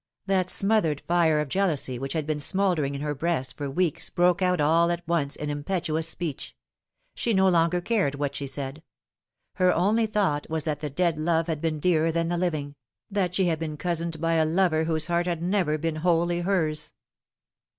That smothered fire of jealousy which had been smouldering in her breast for weeks broke out all at once in impetuous speech. She no longer cared what she said. Her only thought was that the dead love had been dearer than the living, that she had been cozened by a lover whose heart had never been wholly hers.